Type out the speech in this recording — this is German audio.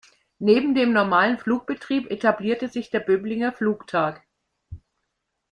Neben dem normalen Flugbetrieb etablierte sich der "Böblinger Flugtag".